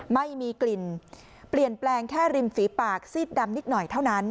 ไม่มีกลิ่นเปลี่ยนแปลงแค่ริมฝีปากซีดดำนิดหน่อยเท่านั้น